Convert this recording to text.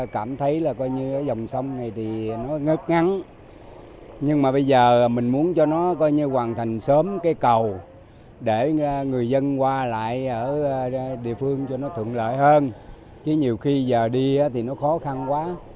chỉ nhiều khi giờ đi thì nó khó khăn quá